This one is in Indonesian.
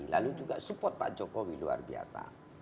lalu juga support pak jokowi luar biasa